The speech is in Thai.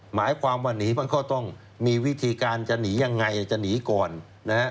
หมายความว่าหนีมันก็ต้องมีวิธีการจะหนียังไงจะหนีก่อนนะฮะ